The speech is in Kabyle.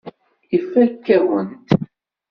Ifakk-awen-t.